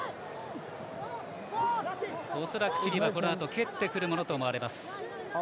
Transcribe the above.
恐らくチリはこのあと蹴ってくると思われます。